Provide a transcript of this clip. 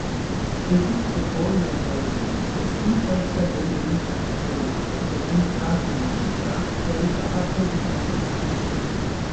Esiste poi annualmente una festa de l'Unità nazionale, organizzata in una città scelta appositamente.